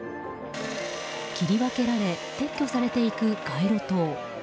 切り分けられ撤去されていく街路灯。